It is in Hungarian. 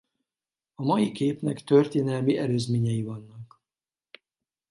A mai képnek történelmi előzményei vannak.